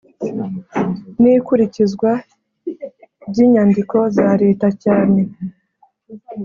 n ikurikizwa by inyandiko za Leta cyane